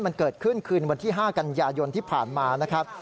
มันเกิดขึ้นคืนวันที่๕กันยายนที่ผ่านมานะครับ